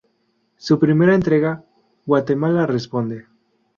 Su primera entrega, “Guatemala Responde.